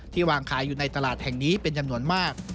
วางขายอยู่ในตลาดแห่งนี้เป็นจำนวนมาก